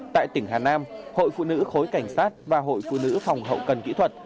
tại tỉnh hà nam hội phụ nữ khối cảnh sát và hội phụ nữ phòng hậu cần kỹ thuật